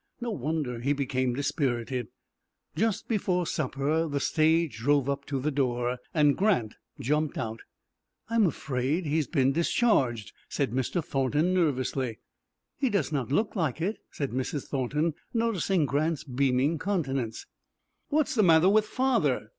No wonder he became dispirited. Just before supper the stage drove up to the door, and Grant jumped out. "I am afraid he has been discharged," said Mr. Thornton, nervously. "He does not look like it," said Mrs. Thornton, noticing Grant's beaming countenance. "What is the matter with father?"